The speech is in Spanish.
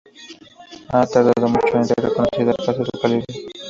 Ha tardado mucho en ser reconocida, pese a su calidad.